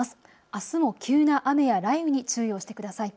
あすも急な雨や雷雨に注意をしてください。